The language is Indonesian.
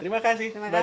terima kasih mbak desy